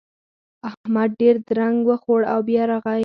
احمد ډېر درنګ وخوړ او بيا راغی.